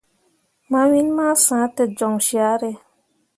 Ma win ma sah te jon carré.